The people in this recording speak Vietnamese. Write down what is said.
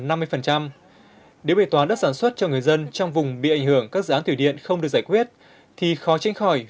nếu bài toán đất sản xuất cho người dân trong vùng bị ảnh hưởng các dự án thủy điện không được giải quyết thì khó tranh khỏi